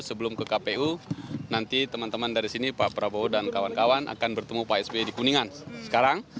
sebelum ke kpu nanti teman teman dari sini pak prabowo dan kawan kawan akan bertemu pak sby di kuningan sekarang